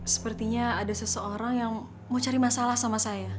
sepertinya ada seseorang yang mau cari masalah sama saya